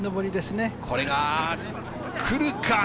これが来るか？